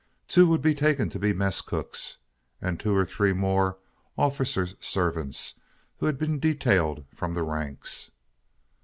Two would be taken to be mess cooks; and two or three more, officers' servants, who had been detailed from the ranks.